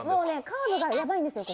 カーブがやばいんですよ。